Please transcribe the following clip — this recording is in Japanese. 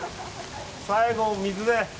最後、水で。